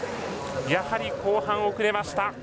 やはり後半遅れました。